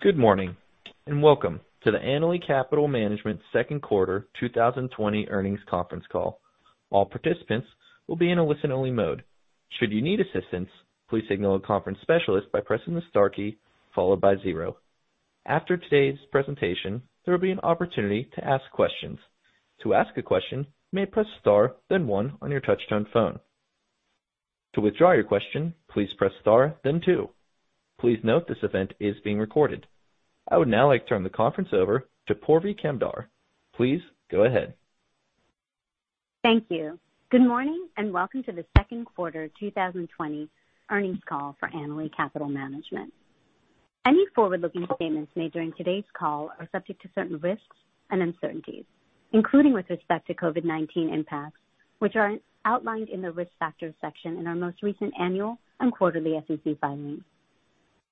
Good morning and welcome to the Annaly Capital Management Second Quarter 2020 Earnings Conference Call. All participants will be in a listen-only mode. Should you need assistance, please signal a conference specialist by pressing the star key followed by zero. After today's presentation, there will be an opportunity to ask questions. To ask a question, you may press star, then one on your touch-tone phone. To withdraw your question, please press star, then two. Please note this event is being recorded. I would now like to turn the conference over to Purvi Kamdar. Please go ahead. Thank you. Good morning and welcome to the Second Quarter 2020 Earnings Call for Annaly Capital Management. Any forward-looking statements made during today's call are subject to certain risks and uncertainties, including with respect to COVID-19 impacts, which are outlined in the risk factors section in our most recent annual and quarterly SEC filings.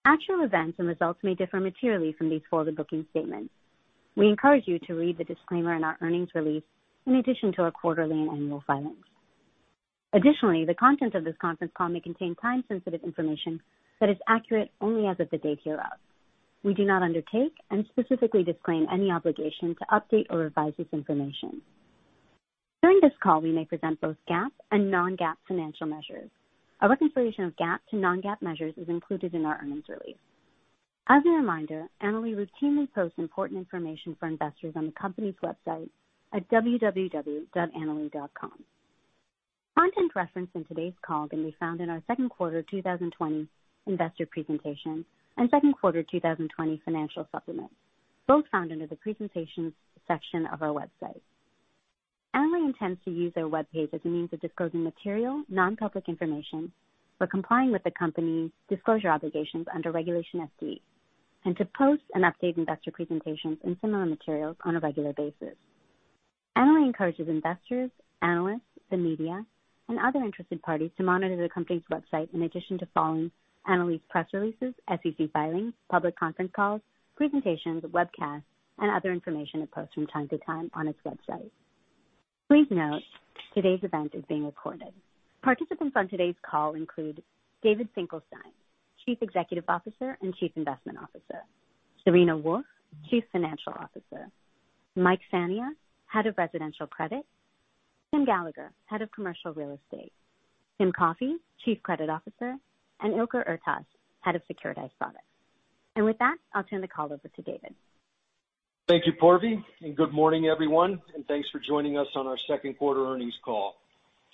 Actual events and results may differ materially from these forward-looking statements. We encourage you to read the disclaimer in our earnings release in addition to our quarterly and annual filings. Additionally, the content of this conference call may contain time-sensitive information that is accurate only as of the date hereof. We do not undertake and specifically disclaim any obligation to update or revise this information. During this call, we may present both GAAP and non-GAAP financial measures. A reconciliation of GAAP to non-GAAP measures is included in our earnings release. As a reminder, Annaly routinely posts important information for investors on the company's website at www.annaly.com. Content referenced in today's call can be found in our Second Quarter 2020 investor presentation and Second Quarter 2020 financial supplement, both found under the presentations section of our website. Annaly intends to use their web page as a means of disclosing material, non-public information for complying with the company's disclosure obligations under Regulation FD and to post and update investor presentations and similar materials on a regular basis. Annaly encourages investors, analysts, the media, and other interested parties to monitor the company's website in addition to following Annaly's press releases, SEC filings, public conference calls, presentations, webcasts, and other information it posts from time to time on its website. Please note today's event is being recorded. Participants on today's call include David Finkelstein, Chief Executive Officer and Chief Investment Officer, Serena Wolfe, Chief Financial Officer, Mike Fania, Head of Residential Credit, Tim Gallagher, Head of Commercial Real Estate, Tim Coffey, Chief Credit Officer, and Ilker Ertas, Head of Securitized Products. With that, I'll turn the call over to David. Thank you, Purvi, and good morning, everyone, and thanks for joining us on our second quarter earnings call.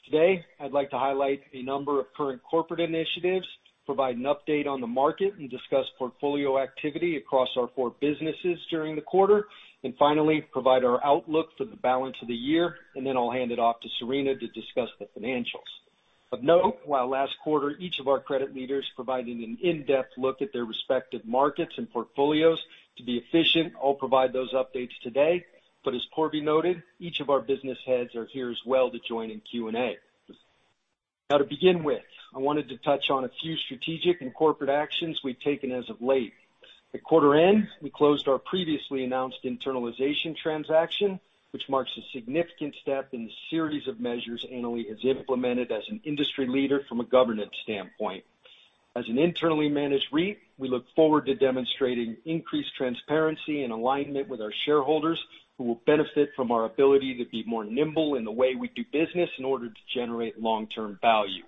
Today, I'd like to highlight a number of current corporate initiatives, provide an update on the market, and discuss portfolio activity across our four businesses during the quarter, and finally, provide our outlook for the balance of the year, and then I'll hand it off to Serena to discuss the financials. Of note, while last quarter each of our credit leaders provided an in-depth look at their respective markets and portfolios, to be efficient, I'll provide those updates today, but as Purvi noted, each of our business heads are here as well to join in Q&A. Now, to begin with, I wanted to touch on a few strategic and corporate actions we've taken as of late. At quarter end, we closed our previously announced internalization transaction, which marks a significant step in the series of measures Annaly has implemented as an industry leader from a governance standpoint. As an internally managed REIT, we look forward to demonstrating increased transparency and alignment with our shareholders who will benefit from our ability to be more nimble in the way we do business in order to generate long-term value.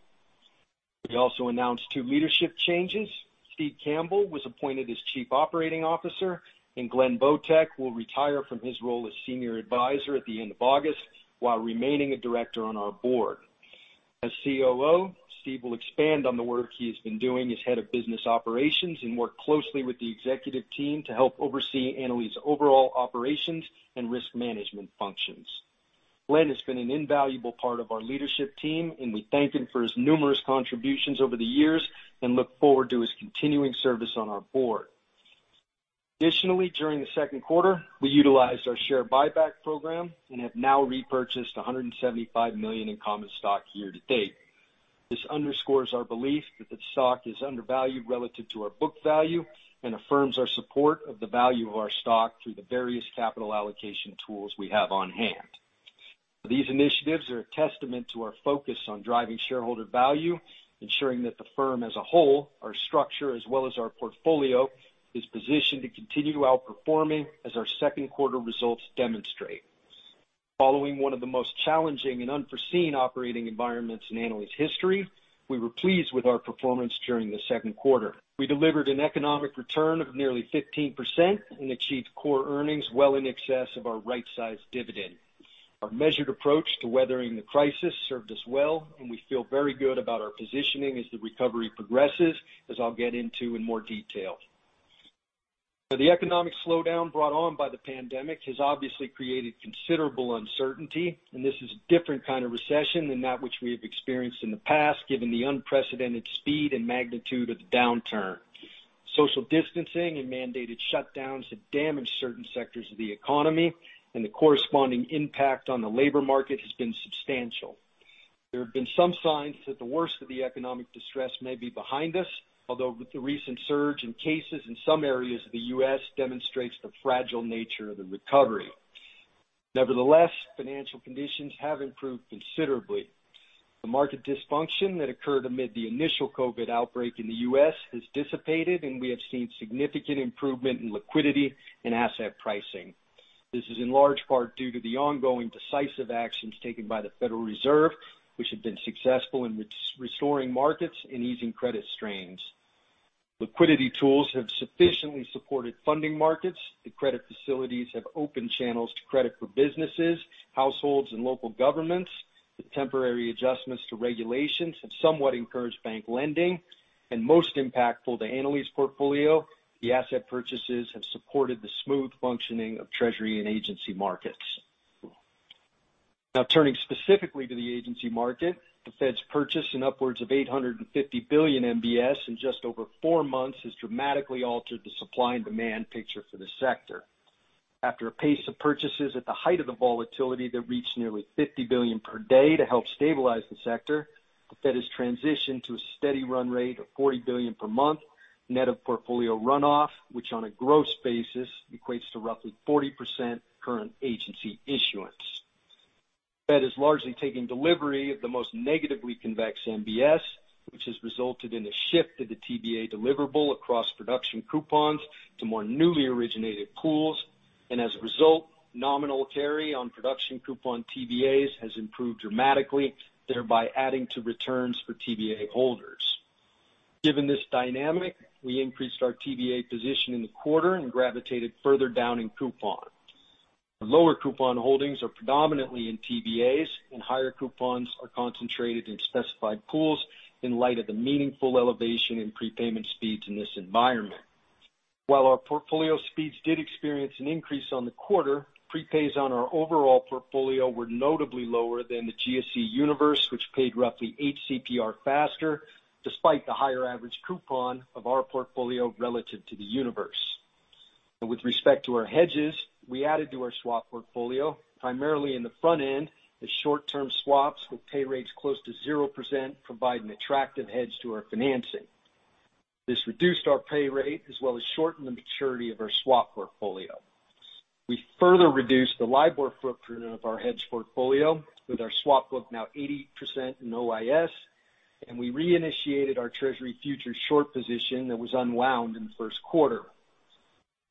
We also announced two leadership changes. Steven Campbell was appointed as Chief Operating Officer, and Glenn Votek will retire from his role as Senior Advisor at the end of August while remaining a director on our board. As COO, Steve will expand on the work he has been doing as Head of Business Operations and work closely with the executive team to help oversee Annaly's overall operations and risk management functions. Glenn has been an invaluable part of our leadership team, and we thank him for his numerous contributions over the years and look forward to his continuing service on our board. Additionally, during the second quarter, we utilized our share buyback program and have now repurchased $175 million in common stock year to date. This underscores our belief that the stock is undervalued relative to our book value and affirms our support of the value of our stock through the various capital allocation tools we have on hand. These initiatives are a testament to our focus on driving shareholder value, ensuring that the firm as a whole, our structure as well as our portfolio, is positioned to continue outperforming as our second quarter results demonstrate. Following one of the most challenging and unforeseen operating environments in Annaly's history, we were pleased with our performance during the second quarter. We delivered an economic return of nearly 15% and achieved core earnings well in excess of our right-sized dividend. Our measured approach to weathering the crisis served us well, and we feel very good about our positioning as the recovery progresses, as I'll get into in more detail. The economic slowdown brought on by the pandemic has obviously created considerable uncertainty, and this is a different kind of recession than that which we have experienced in the past, given the unprecedented speed and magnitude of the downturn. Social distancing and mandated shutdowns have damaged certain sectors of the economy, and the corresponding impact on the labor market has been substantial. There have been some signs that the worst of the economic distress may be behind us, although the recent surge in cases in some areas of the U.S. demonstrates the fragile nature of the recovery. Nevertheless, financial conditions have improved considerably. The market dysfunction that occurred amid the initial COVID outbreak in the U.S. has dissipated, and we have seen significant improvement in liquidity and asset pricing. This is in large part due to the ongoing decisive actions taken by the Federal Reserve, which have been successful in restoring markets and easing credit strains. Liquidity tools have sufficiently supported funding markets. The credit facilities have opened channels to credit for businesses, households, and local governments. The temporary adjustments to regulations have somewhat encouraged bank lending. And most impactful to Annaly's portfolio, the asset purchases have supported the smooth functioning of Treasury and agency markets. Now, turning specifically to the agency market, the Fed's purchase in upwards of $850 billion MBS in just over four months has dramatically altered the supply and demand picture for the sector. After a pace of purchases at the height of the volatility that reached nearly $50 billion per day to help stabilize the sector, that is transitioned to a steady run rate of $40 billion per month net of portfolio runoff, which on a gross basis equates to roughly 40% current agency issuance. The Fed is largely taking delivery of the most negatively convex MBS, which has resulted in a shift to the TBA deliverable across production coupons to more newly originated pools, and as a result, nominal carry on production coupon TBAs has improved dramatically, thereby adding to returns for TBA holders. Given this dynamic, we increased our TBA position in the quarter and gravitated further down in coupon. Lower coupon holdings are predominantly in TBAs, and higher coupons are concentrated in specified pools in light of the meaningful elevation in prepayment speeds in this environment. While our portfolio speeds did experience an increase on the quarter, prepays on our overall portfolio were notably lower than the GSE Universe, which paid roughly 8 CPR faster, despite the higher average coupon of our portfolio relative to the Universe. With respect to our hedges, we added to our swap portfolio. Primarily in the front end, the short-term swaps with pay rates close to 0% provide an attractive hedge to our financing. This reduced our pay rate as well as shortened the maturity of our swap portfolio. We further reduced the LIBOR footprint of our hedge portfolio with our swap book now 80% in OIS, and we reinitiated our Treasury futures short position that was unwound in the first quarter.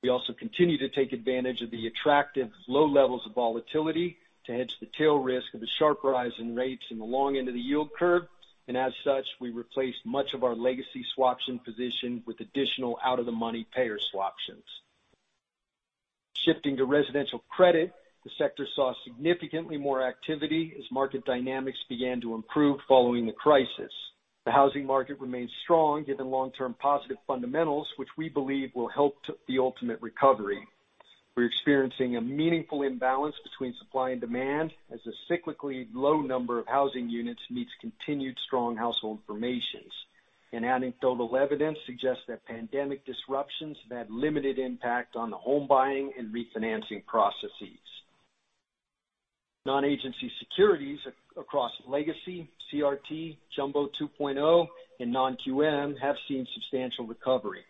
We also continue to take advantage of the attractive low levels of volatility to hedge the tail risk of a sharp rise in rates in the long end of the yield curve. And as such, we replaced much of our legacy swaption position with additional out-of-the-money payer swaptions. Shifting to residential credit, the sector saw significantly more activity as market dynamics began to improve following the crisis. The housing market remains strong given long-term positive fundamentals, which we believe will help the ultimate recovery. We're experiencing a meaningful imbalance between supply and demand as a cyclically low number of housing units meets continued strong household formations. And anecdotal evidence suggests that pandemic disruptions have had limited impact on the home buying and refinancing processes. Non-agency securities across legacy, CRT, Jumbo 2.0, and Non-QM have seen substantial recovery.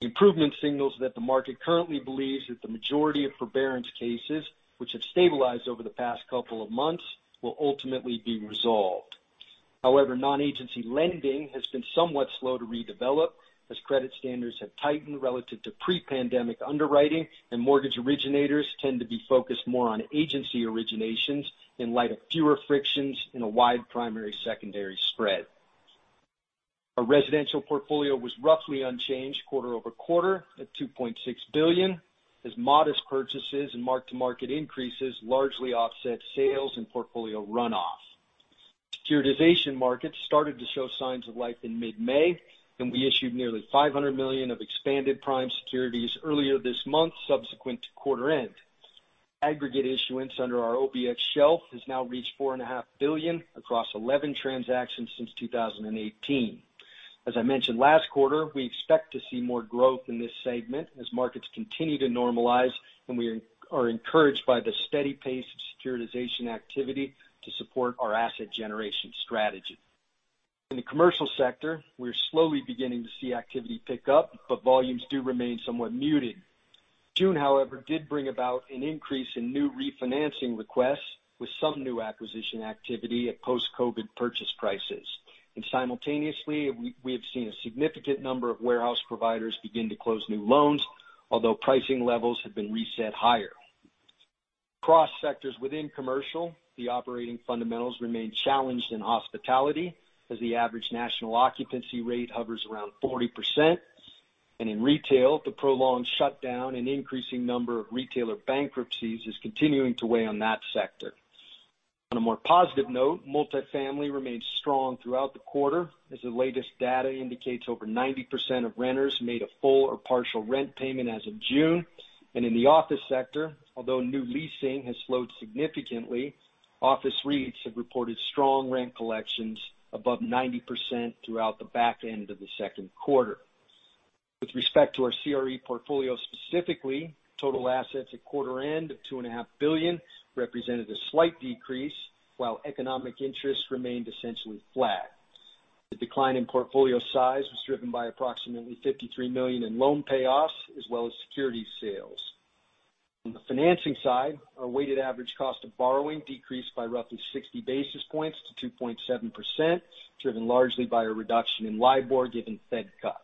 The improvement signals that the market currently believes that the majority of forbearance cases, which have stabilized over the past couple of months, will ultimately be resolved. However, non-agency lending has been somewhat slow to redevelop as credit standards have tightened relative to pre-pandemic underwriting, and mortgage originators tend to be focused more on agency originations in light of fewer frictions in a wide primary secondary spread. Our residential portfolio was roughly unchanged quarter-over-quarter at $2.6 billion, as modest purchases and mark-to-market increases largely offset sales and portfolio runoff. Securitization markets started to show signs of life in mid-May, and we issued nearly $500 million of expanded prime securities earlier this month subsequent to quarter end. Aggregate issuance under our OBX shelf has now reached $4.5 billion across 11 transactions since 2018. As I mentioned last quarter, we expect to see more growth in this segment as markets continue to normalize, and we are encouraged by the steady pace of securitization activity to support our asset generation strategy. In the commercial sector, we're slowly beginning to see activity pick up, but volumes do remain somewhat muted. June, however, did bring about an increase in new refinancing requests with some new acquisition activity at post-COVID purchase prices. And simultaneously, we have seen a significant number of warehouse providers begin to close new loans, although pricing levels have been reset higher. Across sectors within commercial, the operating fundamentals remain challenged in hospitality as the average national occupancy rate hovers around 40%. And in retail, the prolonged shutdown and increasing number of retailer bankruptcies is continuing to weigh on that sector. On a more positive note, multifamily remains strong throughout the quarter, as the latest data indicates over 90% of renters made a full or partial rent payment as of June. And in the office sector, although new leasing has slowed significantly, office REITs have reported strong rent collections above 90% throughout the back end of the second quarter. With respect to our CRE portfolio specifically, total assets at quarter end of $2.5 billion represented a slight decrease, while economic interest remained essentially flat. The decline in portfolio size was driven by approximately $53 million in loan payoffs as well as security sales. On the financing side, our weighted average cost of borrowing decreased by roughly 60 basis points to 2.7%, driven largely by a reduction in LIBOR given Fed cuts.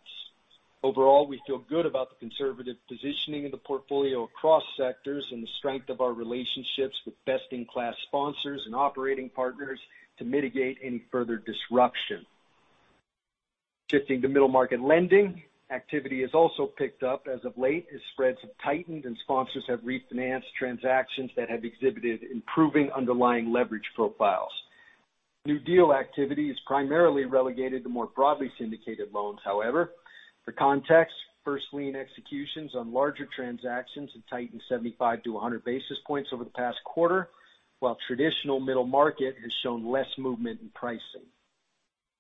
Overall, we feel good about the conservative positioning of the portfolio across sectors and the strength of our relationships with best-in-class sponsors and operating partners to mitigate any further disruption. Shifting to middle market lending, activity has also picked up as of late as spreads have tightened and sponsors have refinanced transactions that have exhibited improving underlying leverage profiles. New deal activity is primarily relegated to more broadly syndicated loans, however. For context, first lien executions on larger transactions have tightened 75-100 basis points over the past quarter, while traditional middle market has shown less movement in pricing.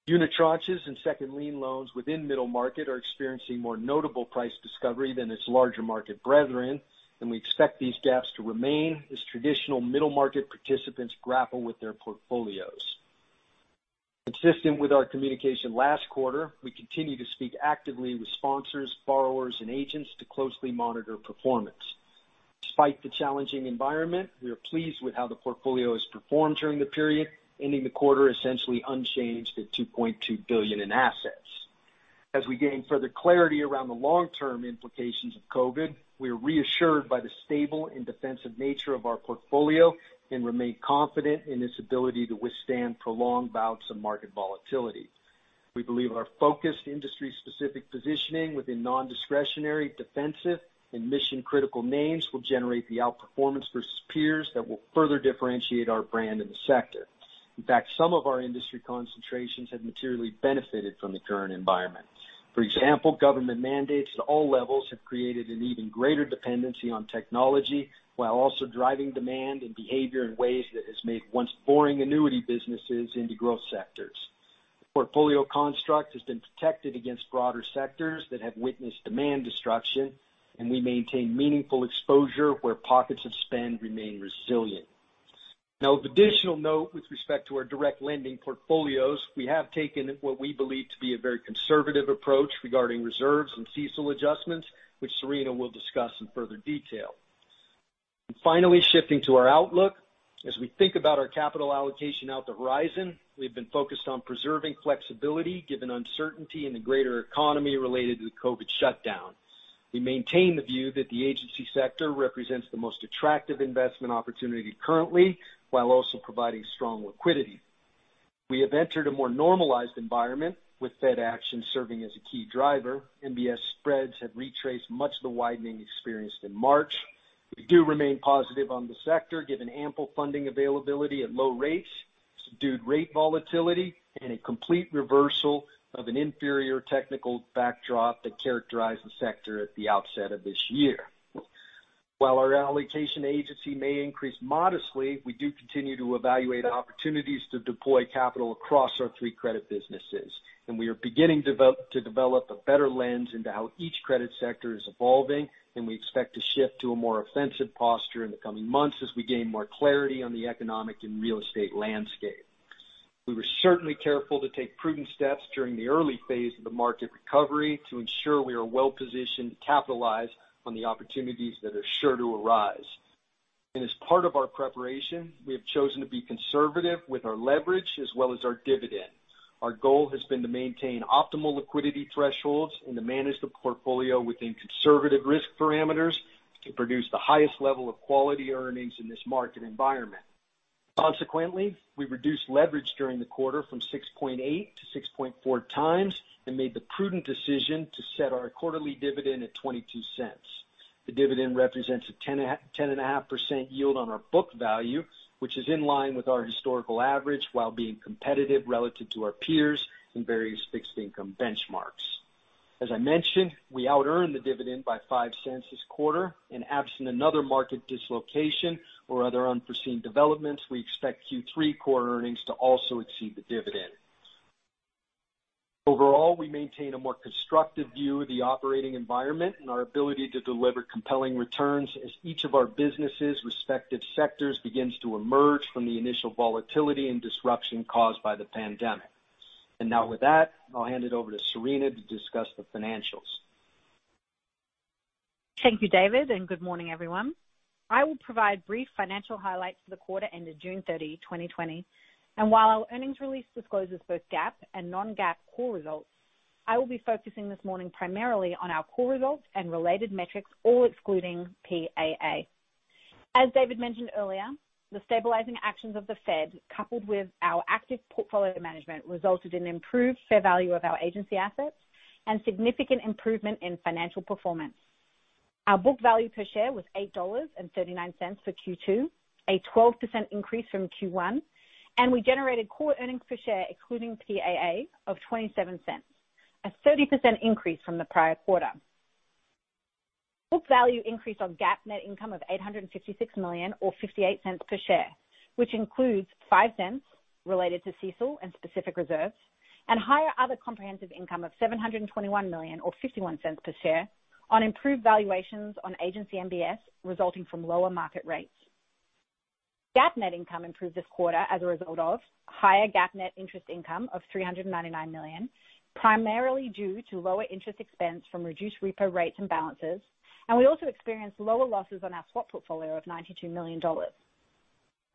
Unitranches and second lien loans within middle market are experiencing more notable price discovery than its larger market brethren, and we expect these gaps to remain as traditional middle market participants grapple with their portfolios. Consistent with our communication last quarter, we continue to speak actively with sponsors, borrowers, and agents to closely monitor performance. Despite the challenging environment, we are pleased with how the portfolio has performed during the period, ending the quarter essentially unchanged at $2.2 billion in assets. As we gain further clarity around the long-term implications of COVID, we are reassured by the stable and defensive nature of our portfolio and remain confident in its ability to withstand prolonged bouts of market volatility. We believe our focused industry-specific positioning within non-discretionary, defensive, and mission-critical names will generate the outperformance versus peers that will further differentiate our brand in the sector. In fact, some of our industry concentrations have materially benefited from the current environment. For example, government mandates at all levels have created an even greater dependency on technology while also driving demand and behavior in ways that have made once boring annuity businesses into growth sectors. The portfolio construct has been protected against broader sectors that have witnessed demand destruction, and we maintain meaningful exposure where pockets of spend remain resilient. Now, of additional note with respect to our direct lending portfolios, we have taken what we believe to be a very conservative approach regarding reserves and CECL adjustments, which Serena will discuss in further detail. Finally, shifting to our outlook, as we think about our capital allocation out the horizon, we have been focused on preserving flexibility given uncertainty in the greater economy related to the COVID shutdown. We maintain the view that the agency sector represents the most attractive investment opportunity currently, while also providing strong liquidity. We have entered a more normalized environment with Fed action serving as a key driver. MBS spreads have retraced much of the widening experienced in March. We do remain positive on the sector given ample funding availability at low rates, subdued rate volatility, and a complete reversal of an inferior technical backdrop that characterized the sector at the outset of this year. While our allocation agency may increase modestly, we do continue to evaluate opportunities to deploy capital across our three credit businesses, and we are beginning to develop a better lens into how each credit sector is evolving, and we expect to shift to a more offensive posture in the coming months as we gain more clarity on the economic and real estate landscape. We were certainly careful to take prudent steps during the early phase of the market recovery to ensure we are well positioned to capitalize on the opportunities that are sure to arise, and as part of our preparation, we have chosen to be conservative with our leverage as well as our dividend. Our goal has been to maintain optimal liquidity thresholds and to manage the portfolio within conservative risk parameters to produce the highest level of quality earnings in this market environment. Consequently, we reduced leverage during the quarter from 6.8 to 6.4 times and made the prudent decision to set our quarterly dividend at $0.22. The dividend represents a 10.5% yield on our book value, which is in line with our historical average while being competitive relative to our peers and various fixed-income benchmarks. As I mentioned, we out-earned the dividend by $0.05 this quarter, and absent another market dislocation or other unforeseen developments, we expect Q3 quarter earnings to also exceed the dividend. Overall, we maintain a more constructive view of the operating environment and our ability to deliver compelling returns as each of our businesses' respective sectors begins to emerge from the initial volatility and disruption caused by the pandemic. And now with that, I'll hand it over to Serena to discuss the financials. Thank you, David, and good morning, everyone. I will provide brief financial highlights for the quarter ended June 30, 2020. And while our earnings release discloses both GAAP and non-GAAP core results, I will be focusing this morning primarily on our core results and related metrics, all excluding PAA. As David mentioned earlier, the stabilizing actions of the Fed, coupled with our active portfolio management, resulted in improved fair value of our agency assets and significant improvement in financial performance. Our book value per share was $8.39 for Q2, a 12% increase from Q1, and we generated core earnings per share, excluding PAA, of $0.27, a 30% increase from the prior quarter. Book value increased our GAAP net income of $856 million or $0.58 per share, which includes $0.05 related to CECL and specific reserves, and higher other comprehensive income of $721 million or $0.51 per share on improved valuations on agency MBS resulting from lower market rates. GAAP net income improved this quarter as a result of higher GAAP net interest income of $399 million, primarily due to lower interest expense from reduced repo rates and balances, and we also experienced lower losses on our swap portfolio of $92 million.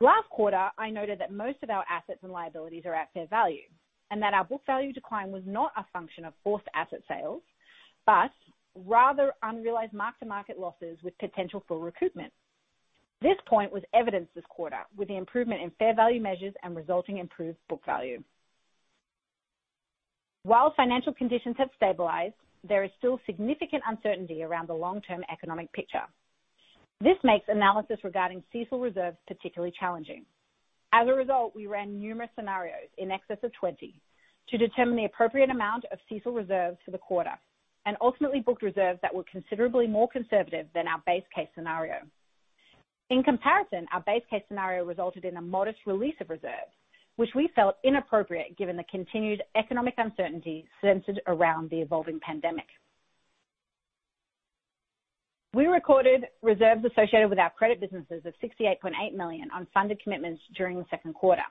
Last quarter, I noted that most of our assets and liabilities are at fair value and that our book value decline was not a function of forced asset sales, but rather unrealized mark-to-market losses with potential for recovery. This point was evidenced this quarter with the improvement in fair value measures and resulting improved book value. While financial conditions have stabilized, there is still significant uncertainty around the long-term economic picture. This makes analysis regarding CECL reserves particularly challenging. As a result, we ran numerous scenarios in excess of 20 to determine the appropriate amount of CECL reserves for the quarter and ultimately booked reserves that were considerably more conservative than our base case scenario. In comparison, our base case scenario resulted in a modest release of reserves, which we felt inappropriate given the continued economic uncertainty centered around the evolving pandemic. We recorded reserves associated with our credit businesses of $68.8 million on funded commitments during the second quarter,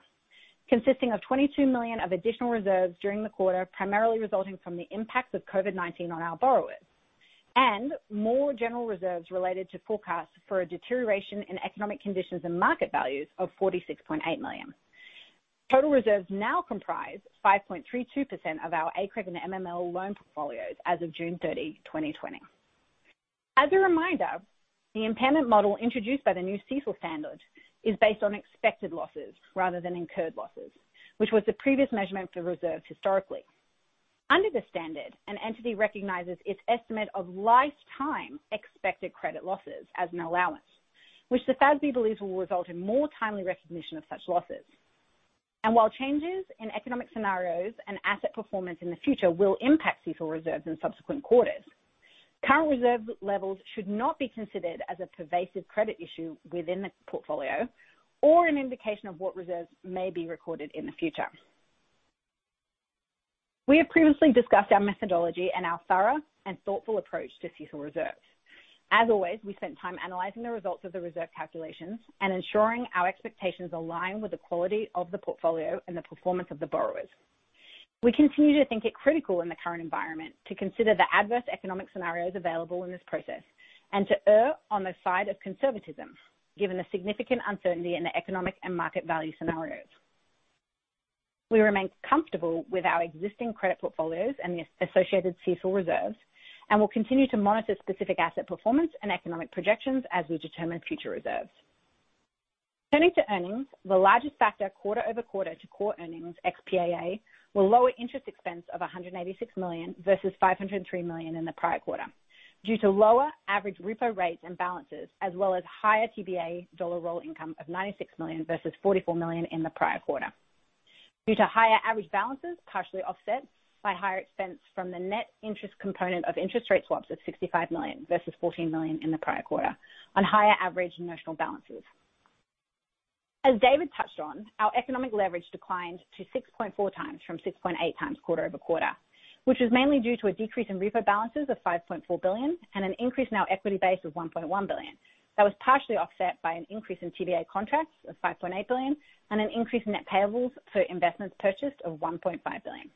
consisting of $22 million of additional reserves during the quarter, primarily resulting from the impact of COVID-19 on our borrowers, and more general reserves related to forecasts for a deterioration in economic conditions and market values of $46.8 million. Total reserves now comprise 5.32% of our ACREG and MML loan portfolios as of June 30, 2020. As a reminder, the impairment model introduced by the new CECL standard is based on expected losses rather than incurred losses, which was the previous measurement for reserves historically. Under the standard, an entity recognizes its estimate of lifetime expected credit losses as an allowance, which the FASB believes will result in more timely recognition of such losses, and while changes in economic scenarios and asset performance in the future will impact CECL reserves in subsequent quarters, current reserve levels should not be considered as a pervasive credit issue within the portfolio or an indication of what reserves may be recorded in the future. We have previously discussed our methodology and our thorough and thoughtful approach to CECL reserves. As always, we spent time analyzing the results of the reserve calculations and ensuring our expectations align with the quality of the portfolio and the performance of the borrowers. We continue to think it critical in the current environment to consider the adverse economic scenarios available in this process and to err on the side of conservatism given the significant uncertainty in the economic and market value scenarios. We remain comfortable with our existing credit portfolios and the associated CECL reserves and will continue to monitor specific asset performance and economic projections as we determine future reserves. Turning to earnings, the largest factor quarter-over-quarter to core earnings, ex-PAA, were lower interest expense of $186 million versus $503 million in the prior quarter due to lower average repo rates and balances, as well as higher TBA dollar roll income of $96 million versus $44 million in the prior quarter. Due to higher average balances, partially offset by higher expense from the net interest component of interest rate swaps of $65 million versus $14 million in the prior quarter on higher average notional balances. As David touched on, our economic leverage declined to 6.4 times from 6.8 times quarter over quarter, which was mainly due to a decrease in repo balances of $5.4 billion and an increase in our equity base of $1.1 billion that was partially offset by an increase in TBA contracts of $5.8 billion and an increase in net payables for investments purchased of $1.5 billion.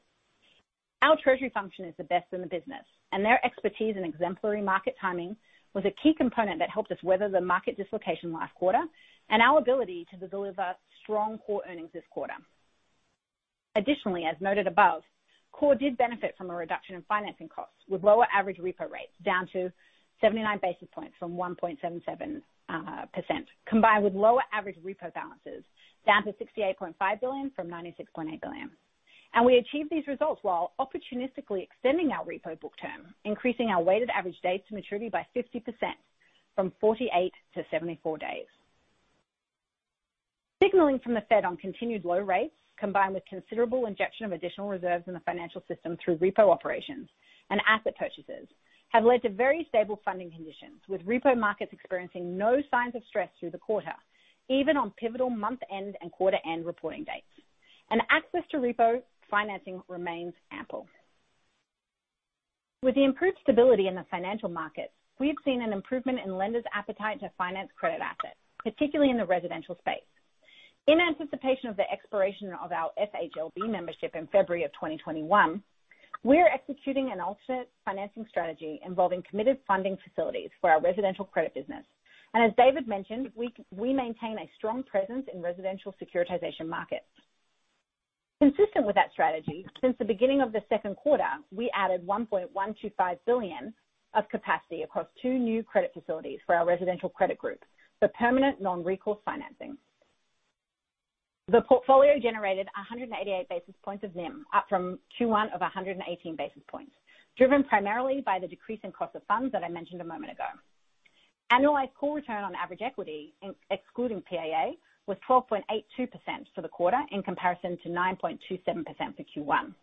Our treasury function is the best in the business, and their expertise in exemplary market timing was a key component that helped us weather the market dislocation last quarter and our ability to deliver strong core earnings this quarter. Additionally, as noted above, Core did benefit from a reduction in financing costs with lower average repo rates down to 79 basis points from 1.77%, combined with lower average repo balances down to $68.5 billion from $96.8 billion, and we achieved these results while opportunistically extending our repo book term, increasing our weighted average days to maturity by 50% from 48 to 74 days. Signaling from the Fed on continued low rates, combined with considerable injection of additional reserves in the financial system through repo operations and asset purchases, has led to very stable funding conditions, with repo markets experiencing no signs of stress through the quarter, even on pivotal month-end and quarter-end reporting dates, and access to repo financing remains ample. With the improved stability in the financial markets, we have seen an improvement in lenders' appetite to finance credit assets, particularly in the residential space. In anticipation of the expiration of our FHLB membership in February of 2021, we are executing an alternate financing strategy involving committed funding facilities for our residential credit business, and as David mentioned, we maintain a strong presence in residential securitization markets. Consistent with that strategy, since the beginning of the second quarter, we added $1.125 billion of capacity across two new credit facilities for our residential credit group for permanent non-recourse financing. The portfolio generated 188 basis points of NIM, up from Q1 of 118 basis points, driven primarily by the decrease in cost of funds that I mentioned a moment ago. Annualized core return on average equity, excluding PAA, was 12.82% for the quarter in comparison to 9.27% for Q1.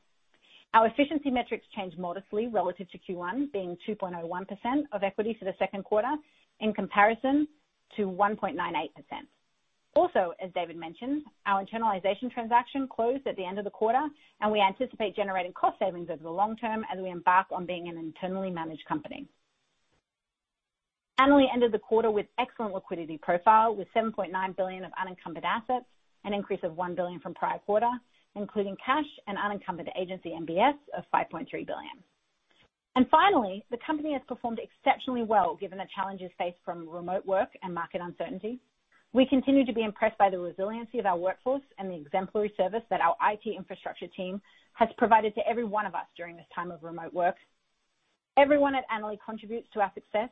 Our efficiency metrics changed modestly relative to Q1, being 2.01% of equity for the second quarter in comparison to 1.98%. Also, as David mentioned, our internalization transaction closed at the end of the quarter, and we anticipate generating cost savings over the long term as we embark on being an internally managed company. Annaly ended the quarter with excellent liquidity profile with $7.9 billion of unencumbered assets, an increase of $1 billion from prior quarter, including cash and unencumbered agency MBS of $5.3 billion. And finally, the company has performed exceptionally well given the challenges faced from remote work and market uncertainty. We continue to be impressed by the resiliency of our workforce and the exemplary service that our IT infrastructure team has provided to every one of us during this time of remote work. Everyone at Annaly contributes to our success,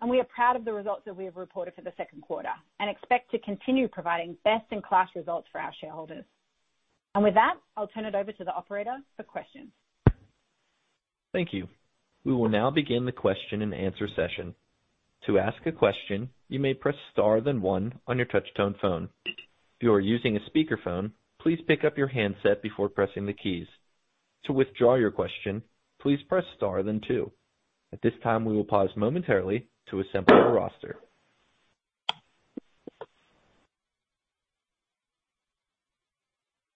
and we are proud of the results that we have reported for the second quarter and expect to continue providing best-in-class results for our shareholders. And with that, I'll turn it over to the operator for questions. Thank you. We will now begin the question-and-answer session. To ask a question, you may press star then one on your touch-tone phone. If you are using a speakerphone, please pick up your handset before pressing the keys. To withdraw your question, please press star then two. At this time, we will pause momentarily to assemble our roster.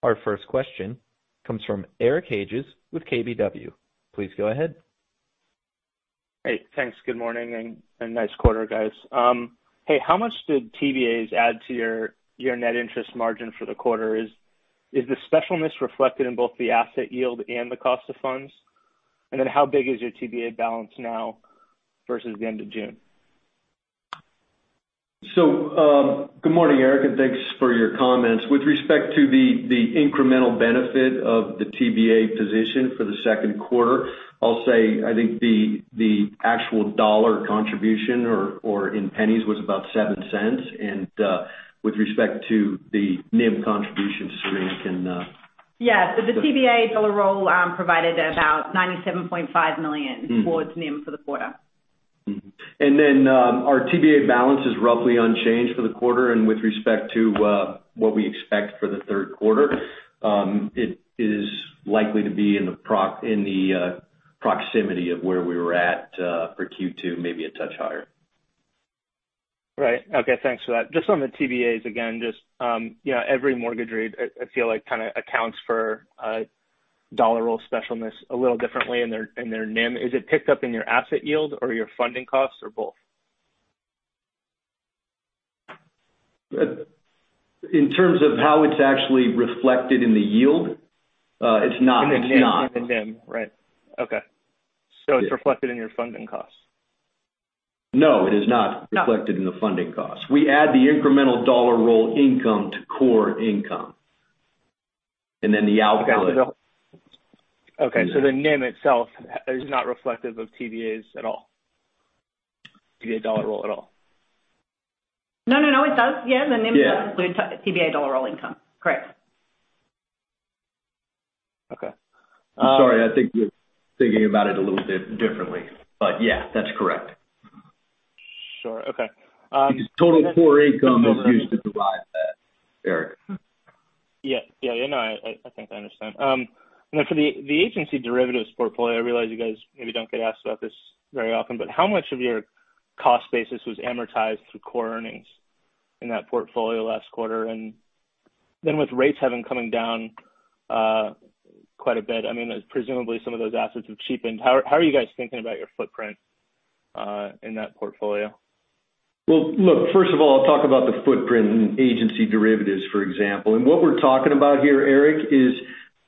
Our first question comes from Eric Hagen with KBW. Please go ahead. Hey, thanks. Good morning and nice quarter, guys. Hey, how much did TBAs add to your net interest margin for the quarter? Is the specialness reflected in both the asset yield and the cost of funds? And then how big is your TBA balance now versus the end of June? So good morning, Eric, and thanks for your comments. With respect to the incremental benefit of the TBA position for the second quarter, I'll say I think the actual dollar contribution, or in pennies, was about $0.07. And with respect to the NIM contribution, Serena can. Yeah, so the TBA dollar roll provided about $97.5 million towards NIM for the quarter. And then our TBA balance is roughly unchanged for the quarter. And with respect to what we expect for the third quarter, it is likely to be in the proximity of where we were at for Q2, maybe a touch higher. Right. Okay, thanks for that. Just on the TBAs again, just every mortgage REIT, I feel like, kind of accounts for dollar roll specialness a little differently in their NIM. Is it picked up in your asset yield or your funding costs or both? In terms of how it's actually reflected in the yield, it's not in the NIM. It's not in the NIM, right? Okay. So it's reflected in your funding costs? No, it is not reflected in the funding costs. We add the incremental dollar roll income to core income and then the output. Okay, so the NIM itself is not reflective of TBAs at all, TBA dollar roll at all? No, no, no, it does. Yeah, the NIM does include TBA dollar roll income. Correct. Okay. I'm sorry, I think you're thinking about it a little bit differently. But yeah, that's correct. Sure. Okay. Total core income is used to derive that, Eric. Yeah, yeah, yeah, no, I think I understand. And then for the agency derivatives portfolio, I realize you guys maybe don't get asked about this very often, but how much of your cost basis was amortized through core earnings in that portfolio last quarter? And then with rates having come down quite a bit, I mean, presumably some of those assets have cheapened. How are you guys thinking about your footprint in that portfolio? Well, look, first of all, I'll talk about the footprint in agency derivatives, for example. And what we're talking about here, Eric, is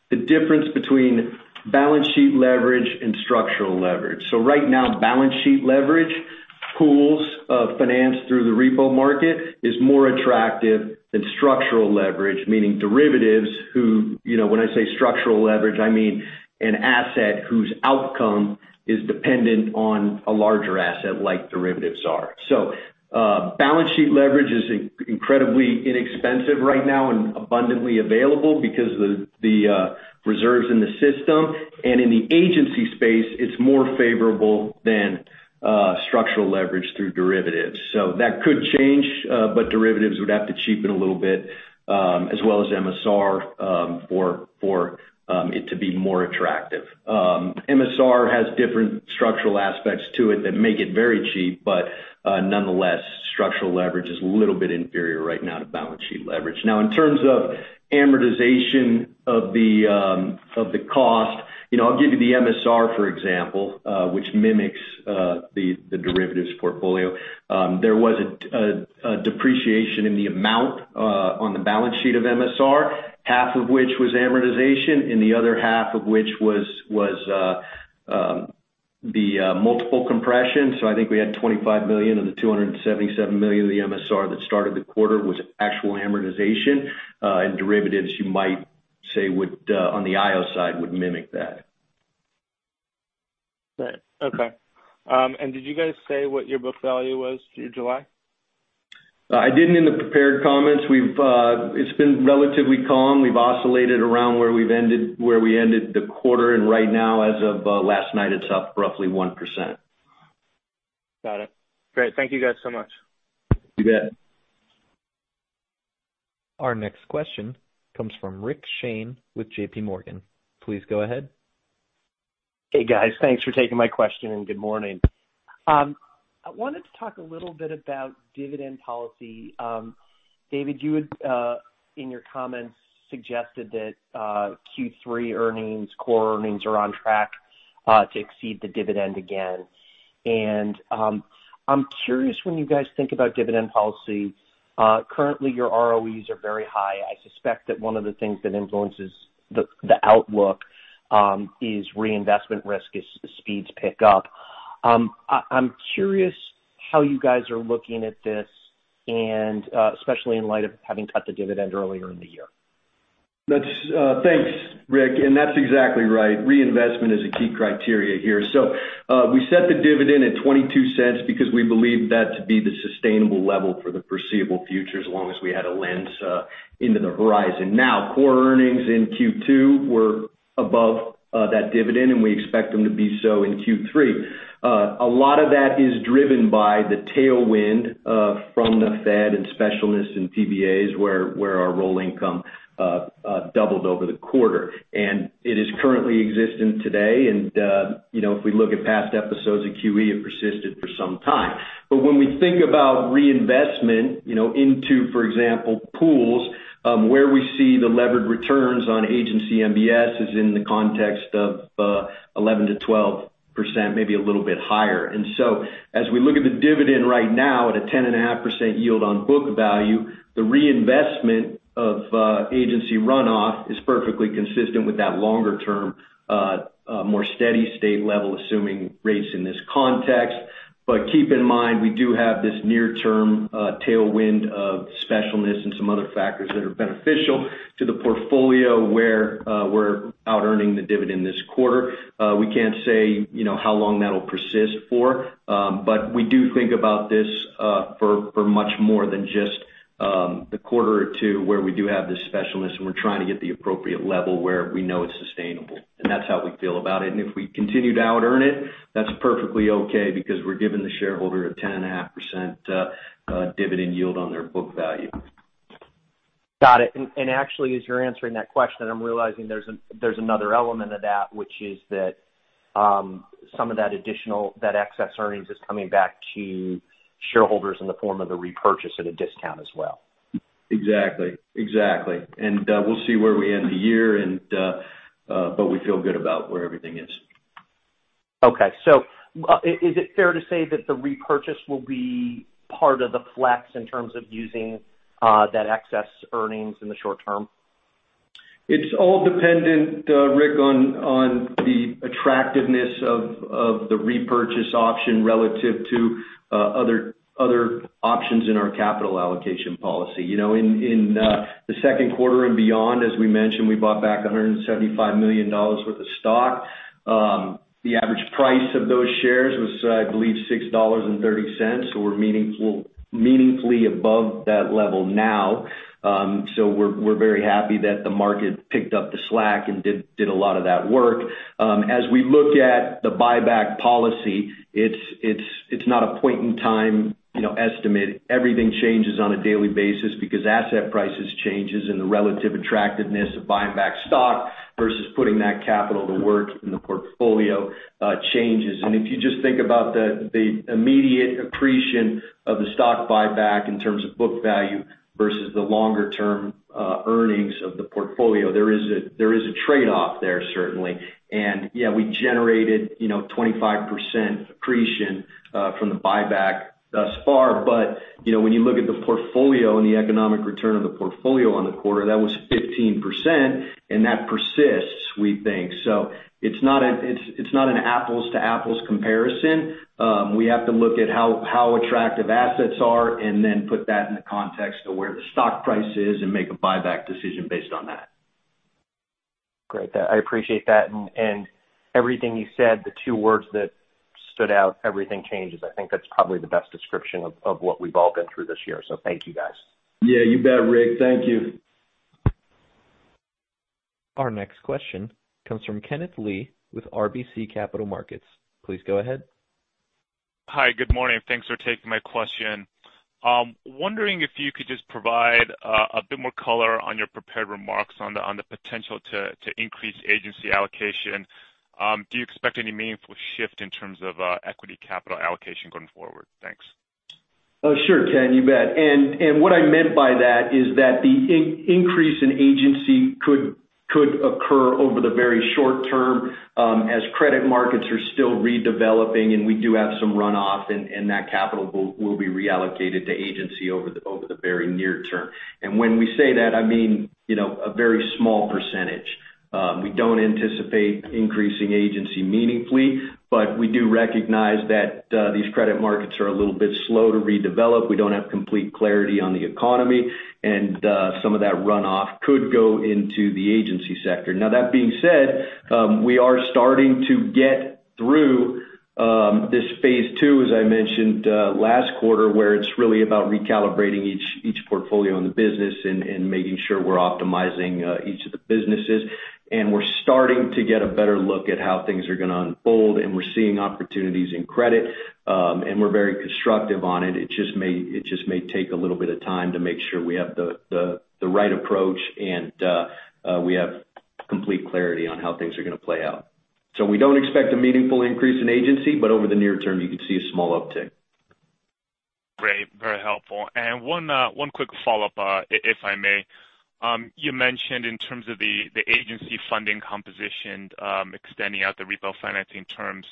the difference between balance sheet leverage and structural leverage. So right now, balance sheet leverage pools of finance through the repo market is more attractive than structural leverage, meaning derivatives who, when I say structural leverage, I mean an asset whose outcome is dependent on a larger asset like derivatives are. Balance sheet leverage is incredibly inexpensive right now and abundantly available because of the reserves in the system. In the agency space, it's more favorable than structural leverage through derivatives. That could change, but derivatives would have to cheapen a little bit, as well as MSR for it to be more attractive. MSR has different structural aspects to it that make it very cheap, but nonetheless, structural leverage is a little bit inferior right now to balance sheet leverage. Now, in terms of amortization of the cost, I'll give you the MSR, for example, which mimics the derivatives portfolio. There was a depreciation in the amount on the balance sheet of MSR, half of which was amortization, and the other half of which was the multiple compression. So, I think we had 25 million of the 277 million of the MSR that started the quarter was actual amortization. And derivatives, you might say, on the IO side would mimic that. Right. Okay. And did you guys say what your book value was through July? I didn't in the prepared comments. It's been relatively calm. We've oscillated around where we ended the quarter. And right now, as of last night, it's up roughly 1%. Got it. Great. Thank you guys so much. You bet. Our next question comes from Rick Shane with J.P. Morgan. Please go ahead. Hey, guys. Thanks for taking my question and good morning. I wanted to talk a little bit about dividend policy. David, you had, in your comments, suggested that Q3 earnings, core earnings are on track to exceed the dividend again. And I'm curious when you guys think about dividend policy. Currently, your ROEs are very high. I suspect that one of the things that influences the outlook is reinvestment risk as speeds pick up. I'm curious how you guys are looking at this, especially in light of having cut the dividend earlier in the year. Thanks, Rick. And that's exactly right. Reinvestment is a key criterion here. So we set the dividend at $0.22 because we believe that to be the sustainable level for the foreseeable future, as long as we had a lens into the horizon. Now, core earnings in Q2 were above that dividend, and we expect them to be so in Q3. A lot of that is driven by the tailwind from the Fed and specialness in TBAs, where our roll income doubled over the quarter. And it is currently existent today. And if we look at past episodes of QE, it persisted for some time. But when we think about reinvestment into, for example, pools, where we see the levered returns on agency MBS is in the context of 11%-12% maybe a little bit higher. And so as we look at the dividend right now at a 10.5% yield on book value, the reinvestment of agency runoff is perfectly consistent with that longer-term, more steady state level, assuming rates in this context. But keep in mind, we do have this near-term tailwind of specialness and some other factors that are beneficial to the portfolio where we're out earning the dividend this quarter. We can't say how long that'll persist for, but we do think about this for much more than just the quarter or two where we do have this specialness, and we're trying to get the appropriate level where we know it's sustainable. And that's how we feel about it. And if we continue to out earn it, that's perfectly okay because we're giving the shareholder a 10.5% dividend yield on their book value. Got it. And actually, as you're answering that question, I'm realizing there's another element of that, which is that some of that additional, that excess earnings is coming back to shareholders in the form of the repurchase at a discount as well. Exactly. Exactly. And we'll see where we end the year, but we feel good about where everything is. Okay. So is it fair to say that the repurchase will be part of the flex in terms of using that excess earnings in the short term? It's all dependent, Rick, on the attractiveness of the repurchase option relative to other options in our capital allocation policy. In the second quarter and beyond, as we mentioned, we bought back $175 million worth of stock. The average price of those shares was, I believe, $6.30, so we're meaningfully above that level now, so we're very happy that the market picked up the slack and did a lot of that work. As we look at the buyback policy, it's not a point-in-time estimate. Everything changes on a daily basis because asset prices change and the relative attractiveness of buying back stock versus putting that capital to work in the portfolio changes, and if you just think about the immediate accretion of the stock buyback in terms of book value versus the longer-term earnings of the portfolio, there is a trade-off there, certainly, and yeah, we generated 25% accretion from the buyback thus far, but when you look at the portfolio and the economic return of the portfolio on the quarter, that was 15%, and that persists, we think, so it's not an apples-to-apples comparison. We have to look at how attractive assets are and then put that in the context of where the stock price is and make a buyback decision based on that. Great. I appreciate that. And everything you said, the two words that stood out, "Everything changes," I think that's probably the best description of what we've all been through this year. So thank you, guys. Yeah, you bet, Rick. Thank you. Our next question comes from Kenneth Lee with RBC Capital Markets. Please go ahead. Hi, good morning. Thanks for taking my question. Wondering if you could just provide a bit more color on your prepared remarks on the potential to increase agency allocation. Do you expect any meaningful shift in terms of equity capital allocation going forward? Thanks Oh, sure, Ken, you bet. What I meant by that is that the increase in agency could occur over the very short term as credit markets are still redeveloping, and we do have some runoff, and that capital will be reallocated to agency over the very near term. When we say that, I mean a very small percentage. We don't anticipate increasing agency meaningfully, but we do recognize that these credit markets are a little bit slow to redevelop. We don't have complete clarity on the economy, and some of that runoff could go into the agency sector. Now, that being said, we are starting to get through this phase II, as I mentioned last quarter, where it's really about recalibrating each portfolio in the business and making sure we're optimizing each of the businesses. And we're starting to get a better look at how things are going to unfold, and we're seeing opportunities in credit, and we're very constructive on it. It just may take a little bit of time to make sure we have the right approach and we have complete clarity on how things are going to play out. So we don't expect a meaningful increase in agency, but over the near term, you can see a small uptick. Great. Very helpful. And one quick follow-up, if I may. You mentioned in terms of the agency funding composition extending out the repo financing terms,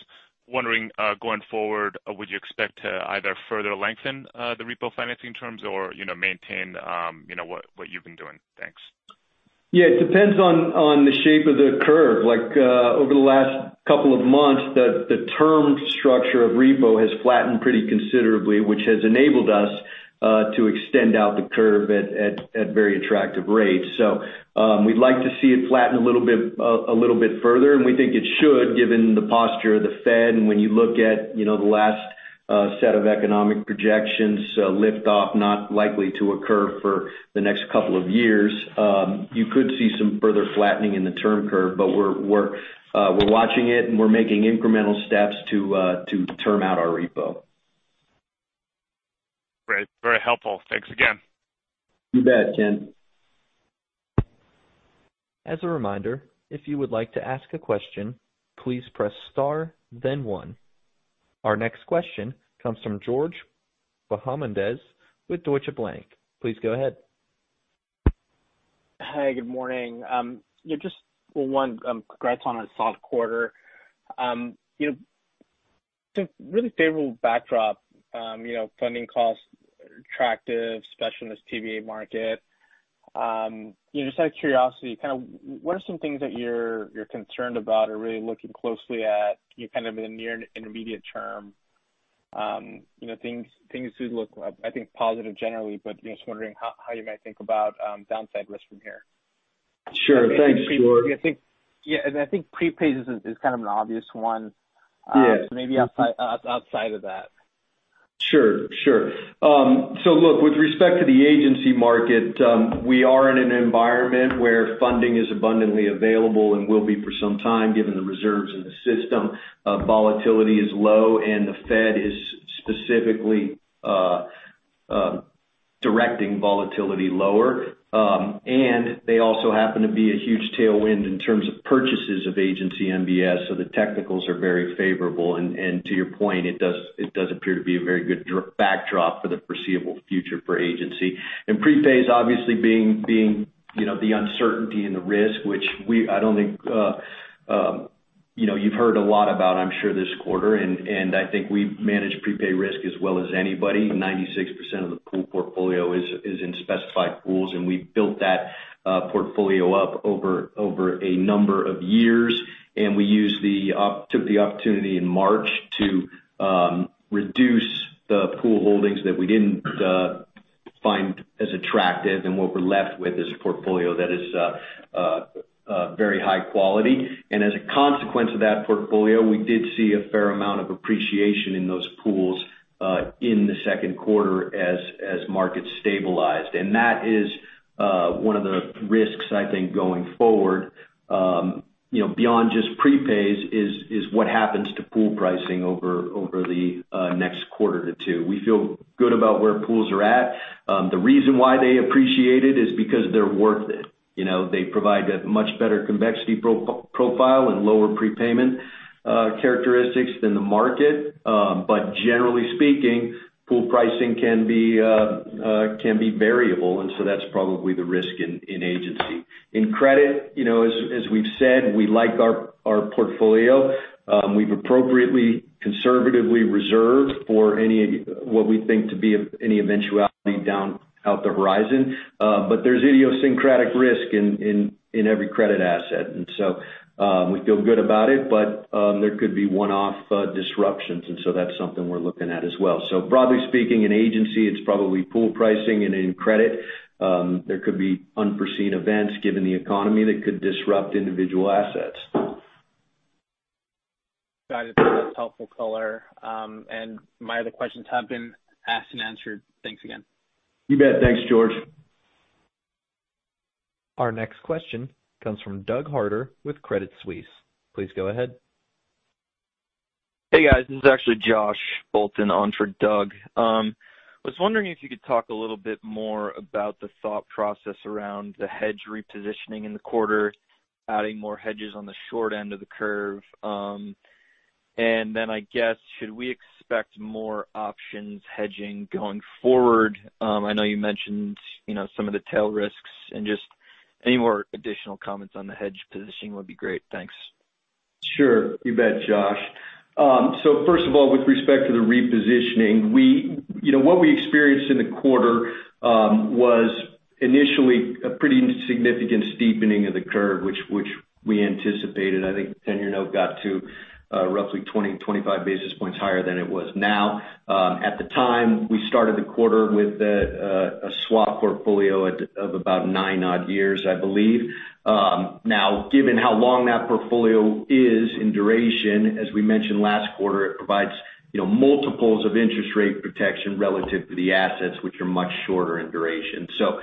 wondering going forward, would you expect to either further lengthen the repo financing terms or maintain what you've been doing? Thanks. Yeah, it depends on the shape of the curve. Over the last couple of months, the term structure of repo has flattened pretty considerably, which has enabled us to extend out the curve at very attractive rates. So we'd like to see it flatten a little bit further, and we think it should, given the posture of the Fed. And when you look at the last set of economic projections, lift-off not likely to occur for the next couple of years. You could see some further flattening in the term curve, but we're watching it, and we're making incremental steps to term out our repo. Great. Very helpful. Thanks again. You bet, Ken. As a reminder, if you would like to ask a question, please press star, then one. Our next question comes from George Bahamondes with Deutsche Bank. Please go ahead. Hi, good morning. Just, well, one, congrats on a solid quarter. It's a really favorable backdrop, funding costs, attractive specified TBA market. Just out of curiosity, kind of what are some things that you're concerned about or really looking closely at kind of in the near and intermediate term? Things do look, I think, positive generally, but just wondering how you might think about downside risk from here. Sure. Thanks, George. Yeah. And I think prepays is kind of an obvious one. So maybe outside of that. Sure. Sure. So look, with respect to the agency market, we are in an environment where funding is abundantly available and will be for some time given the reserves in the system. Volatility is low, and the Fed is specifically directing volatility lower. And they also happen to be a huge tailwind in terms of purchases of agency MBS. So the technicals are very favorable. To your point, it does appear to be a very good backdrop for the foreseeable future for agency. Prepays, obviously, being the uncertainty and the risk, which I don't think you've heard a lot about, I'm sure, this quarter. I think we manage prepay risk as well as anybody. 96% of the pool portfolio is in specified pools, and we built that portfolio up over a number of years. We took the opportunity in March to reduce the pool holdings that we didn't find as attractive. What we're left with is a portfolio that is very high quality. As a consequence of that portfolio, we did see a fair amount of appreciation in those pools in the second quarter as markets stabilized. That is one of the risks, I think, going forward. Beyond just prepays is what happens to pool pricing over the next quarter to two. We feel good about where pools are at. The reason why they appreciated is because they're worth it. They provide a much better convexity profile and lower prepayment characteristics than the market. But generally speaking, pool pricing can be variable. And so that's probably the risk in agency. In credit, as we've said, we like our portfolio. We've appropriately, conservatively reserved for what we think to be any eventuality down out the horizon. But there's idiosyncratic risk in every credit asset. And so we feel good about it, but there could be one-off disruptions. And so that's something we're looking at as well. So broadly speaking, in agency, it's probably pool pricing. And in credit, there could be unforeseen events given the economy that could disrupt individual assets. Got it. That's helpful color. My other questions have been asked and answered. Thanks again. You bet. Thanks, George. Our next question comes from Doug Harter with Credit Suisse. Please go ahead. Hey, guys. This is actually Josh Bolton on for Doug. I was wondering if you could talk a little bit more about the thought process around the hedge repositioning in the quarter, adding more hedges on the short end of the curve. And then I guess, should we expect more options hedging going forward? I know you mentioned some of the tail risks, and just any more additional comments on the hedge positioning would be great. Thanks. Sure. You bet, Josh. So first of all, with respect to the repositioning, what we experienced in the quarter was initially a pretty significant steepening of the curve, which we anticipated. I think, in your note, got to roughly 20-25 basis points higher than it was now. At the time, we started the quarter with a swap portfolio of about nine-odd years, I believe. Now, given how long that portfolio is in duration, as we mentioned last quarter, it provides multiples of interest rate protection relative to the assets, which are much shorter in duration. So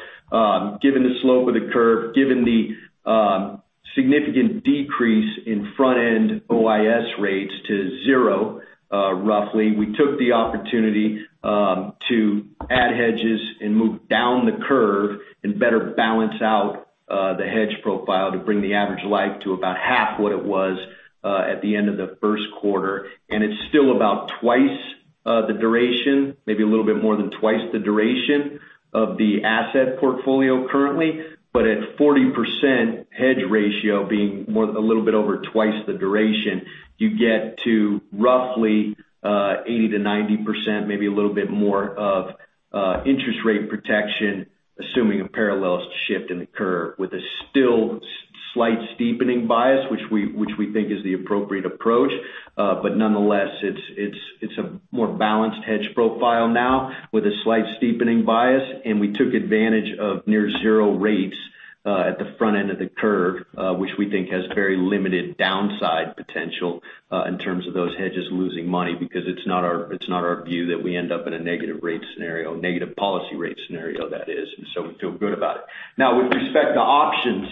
given the slope of the curve, given the significant decrease in front-end OIS rates to zero, roughly, we took the opportunity to add hedges and move down the curve and better balance out the hedge profile to bring the average life to about half what it was at the end of the first quarter, and it's still about twice the duration, maybe a little bit more than twice the duration of the asset portfolio currently. But at 40% hedge ratio, being a little bit over twice the duration, you get to roughly 80%-90%, maybe a little bit more of interest rate protection, assuming a parallel shift in the curve with a still slight steepening bias, which we think is the appropriate approach. But nonetheless, it's a more balanced hedge profile now with a slight steepening bias. And we took advantage of near-zero rates at the front end of the curve, which we think has very limited downside potential in terms of those hedges losing money because it's not our view that we end up in a negative rate scenario, negative policy rate scenario, that is. And so we feel good about it. Now, with respect to options,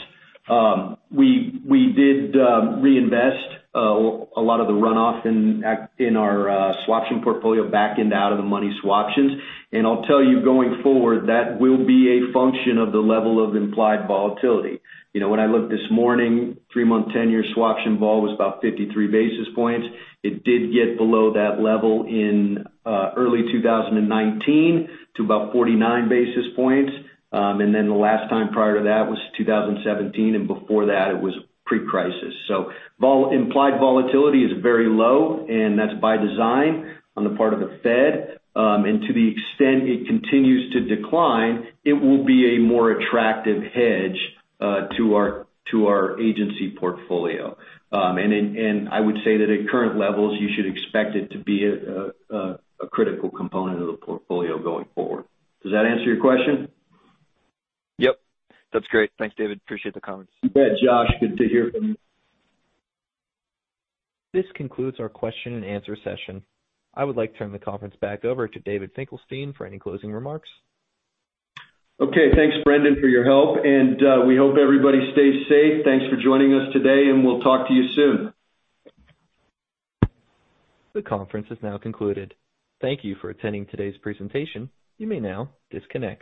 we did reinvest a lot of the runoff in our swaption portfolio back into out-of-the-money swaptions. And I'll tell you, going forward, that will be a function of the level of implied volatility. When I looked this morning, three-month 10-year swaptions vol was about 53 basis points. It did get below that level in early 2019 to about 49 basis points. And then the last time prior to that was 2017. And before that, it was pre-crisis. So implied volatility is very low, and that's by design on the part of the Fed. And to the extent it continues to decline, it will be a more attractive hedge to our Agency portfolio. And I would say that at current levels, you should expect it to be a critical component of the portfolio going forward. Does that answer your question? Yep. That's great. Thanks, David. Appreciate the comments. You bet, Josh. Good to hear from you. This concludes our question-and-answer session. I would like to turn the conference back over to David Finkelstein for any closing remarks. Okay. Thanks, Brendan, for your help. And we hope everybody stays safe. Thanks for joining us today, and we'll talk to you soon. The conference is now concluded. Thank you for attending today's presentation. You may now disconnect.